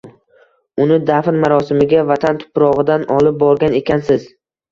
Uni dafn marosimiga vatan tuprog‘idan olib borgan ekansiz…